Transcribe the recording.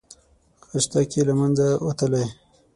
خښتګ یې له منځه وتلی.